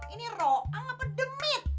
ini roang apa demit